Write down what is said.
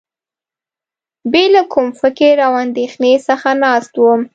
بې له کوم فکر او اندېښنې څخه ناست وم.